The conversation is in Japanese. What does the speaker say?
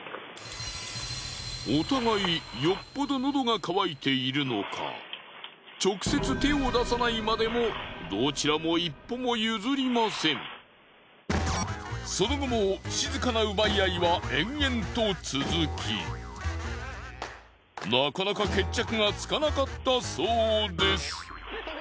お互い直接手を出さないまでもどちらもその後も静かな奪い合いは延々と続きなかなか決着がつかなかったそうです。